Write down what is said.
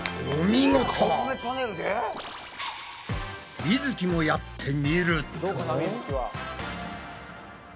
みづきもやってみると。